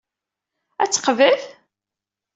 Ad t-teqbel?